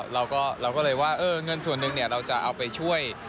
เราก็เลยว่าเงินส่วนหนึ่งเราจะเอาไปช่วย